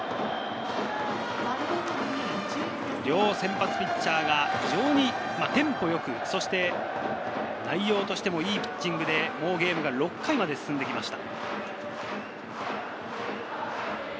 両先発ピッチャーが非常にテンポ良く、そして内容としてもいいピッチングで、ゲームは６回まで進んできました。